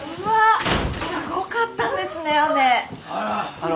あの。